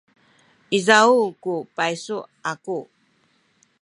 izaw ku paysu aku.